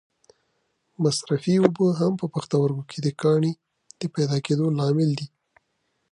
مصرفې اوبه هم په پښتورګو کې د کاڼې د پیدا کېدو لامل دي.